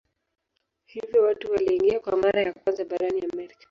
Hivyo watu waliingia kwa mara ya kwanza barani Amerika.